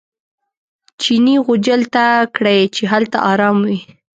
چیني غوجل ته کړئ چې هلته ارام وي.